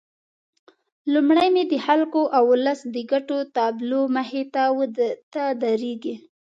لومړی مې د خلکو او ولس د ګټو تابلو مخې ته درېږي.